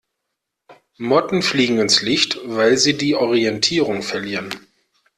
Motten fliegen ins Licht, weil sie die Orientierung verlieren.